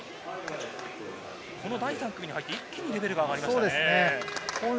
第３組に入って、一気にレベルが上がりましたね。